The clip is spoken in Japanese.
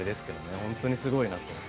本当にすごいなと思って。